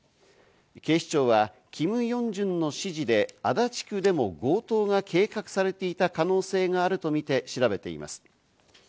警視庁はキム・ヨンジュンの指示で足立区でも強盗が計画されていた可能性があるとみて調べています。